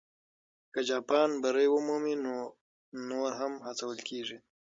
که جاپان بری ومومي، نو نور هم هڅول کېږي.